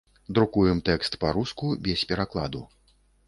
Друкуем тэкст па-руску, без перакладу.